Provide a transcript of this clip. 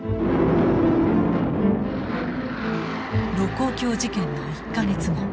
盧溝橋事件の１か月後。